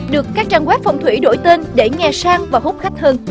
được các trang web phong thủy đổi tên để nghe sang và hút khách hơn